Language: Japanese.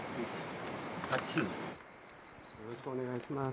よろしくお願いします。